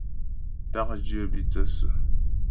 Ták dyə́ bî thə́sə ə.